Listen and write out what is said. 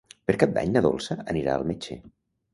Per Cap d'Any na Dolça anirà al metge.